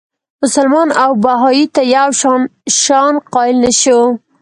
مسلمان او بهايي ته یو شان شأن قایل نه شو.